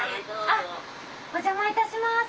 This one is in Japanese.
あっお邪魔いたします。